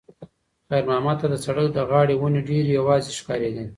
خیر محمد ته د سړک د غاړې ونې ډېرې یوازې ښکارېدې.